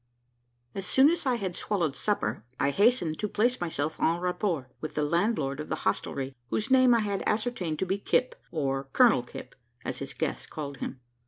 As soon as I had swallowed supper, I hastened to place myself en rapport with the landlord of the hostelry whose name I had ascertained to be "Kipp," or "Colonel Kipp," as his guests called him.